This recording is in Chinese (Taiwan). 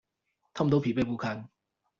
他們都疲憊不堪